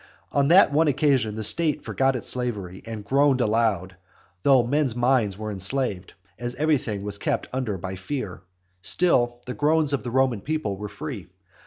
On that one occasion the state forgot its slavery, and groaned aloud, and though men's minds were enslaved, as everything was kept under by fear, still the groans of the Roman people were free.